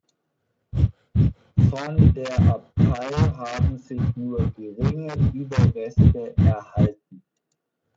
Von der Abtei haben sich nur geringe Überreste erhalten.